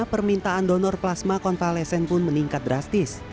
permintaan donor plasma konvalesen pun meningkat drastis